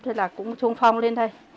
thế là cũng trung phong lên đây